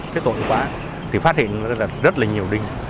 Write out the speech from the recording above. thế tối qua thì phát hiện rất là nhiều đinh